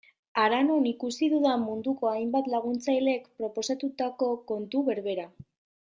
Hara non ikusi dudan munduko hainbat laguntzailek proposatutako kontu berbera.